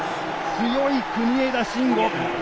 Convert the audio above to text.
強い国枝慎吾。